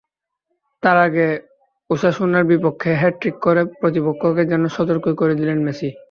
তার আগে ওসাসুনার বিপক্ষে হ্যাটট্রিক করে প্রতিপক্ষকে যেন সতর্কই করে দিলেন মেসি।